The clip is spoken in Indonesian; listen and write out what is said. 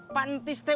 pak entis terima kasih